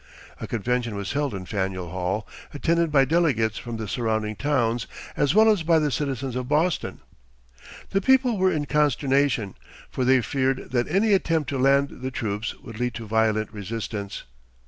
A convention was held in Faneuil Hall, attended by delegates from the surrounding towns, as well as by the citizens of Boston. The people were in consternation, for they feared that any attempt to land the troops would lead to violent resistance.